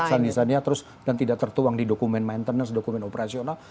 jadi design designnya terus dan tidak tertuang di dokumen maintenance dokumen operasional